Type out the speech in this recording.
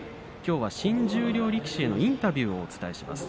新十両力士へのインタビューをお伝えします。